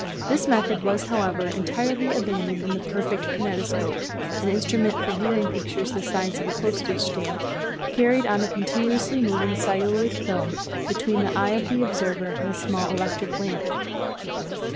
This method was, however, entirely abandoned in the perfected kinetoscope, an instrument for viewing pictures the size of a postage stamp, carried on a continuously moving celluloid film between the eye of the observer and a small electric lamp.